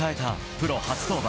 プロ初登板